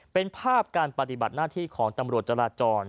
เป็นภาพการปฏิบัติหน้าที่ของตำรวจจราจร